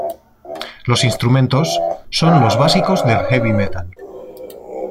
Los instrumentos son los básicos del heavy metal.